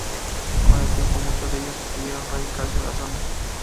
Con el tiempo muchos de ellos decidieron radicarse en la zona.